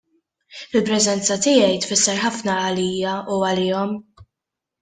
Il-preżenza tiegħi tfisser ħafna għalija u għalihom.